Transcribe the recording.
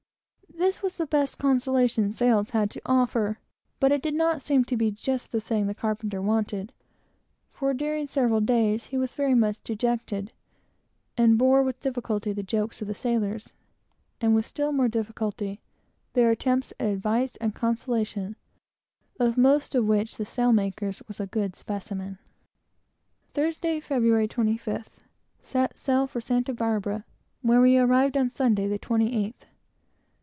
This was the best consolation "Sails" had to offer, but it did not seem to be just the thing the carpenter wanted; for, during several days, he was very much dejected, and bore with difficulty the jokes of the sailors, and with still more difficulty their attempts at advice and consolation, of most of which the sailmaker's was a good specimen. Thursday, Feb. 25th. Set sail for Santa Barbara, where we arrived on Sunday, the 28th.